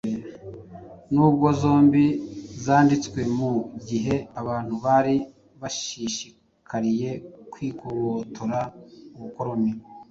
N'ubwo zombi zanditswe mu gihe abantu bari bashishikariye kwigobotora ubukoloni